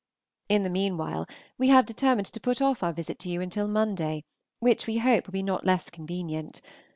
In the mean while we have determined to put off our visit to you until Monday, which we hope will be not less convenient.